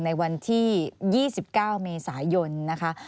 ในวันที่๒๙เมษายนนะคะ